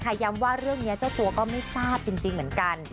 ย้ำว่าเรื่องนี้เจ้าตัวก็ไม่ทราบจริงเหมือนกัน